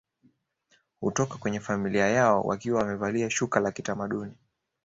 Hutoka kwenye familia yao wakiwa wamevalia shuka la kitamaduni